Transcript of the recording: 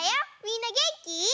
みんなげんき？